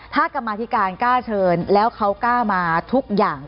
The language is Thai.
ถ้ากรรมาธิการกล้าเชิญแล้วเขากล้ามาทุกอย่าง